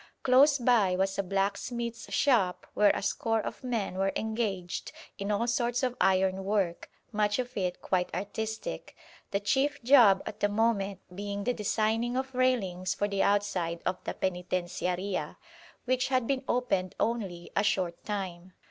Close by was a blacksmith's shop where a score of men were engaged in all sorts of iron work, much of it quite artistic, the chief job at the moment being the designing of railings for the outside of the Penitenciaria, which had been opened only a short time.